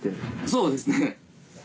そうですね。